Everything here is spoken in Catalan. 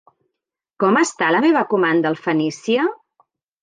Com està la meva comanda al Fenicia?